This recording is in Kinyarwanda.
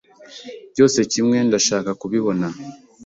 Byose kimwe, ndashaka kubibona.